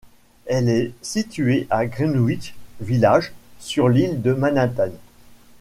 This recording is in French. Elle est située à Greenwich Village, sur l'île de Manhattan.